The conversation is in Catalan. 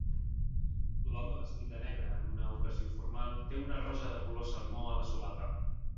L'home vestit de negre en una ocasió formal té una rosa de color salmó a la solapa.